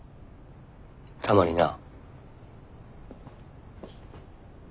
たまにな。